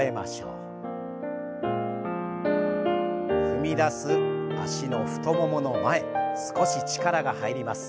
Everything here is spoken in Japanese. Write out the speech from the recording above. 踏み出す脚の太ももの前少し力が入ります。